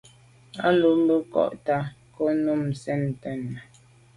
A lo mbe nkôg tàa ko’ num sen ten nà.